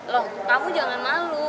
loh kamu jangan malu